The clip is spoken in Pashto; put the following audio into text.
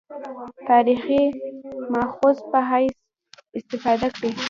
تاریخي مأخذ په حیث استفاده کړې.